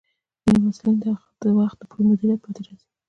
ځینې محصلین د وخت پر مدیریت کې پاتې راځي.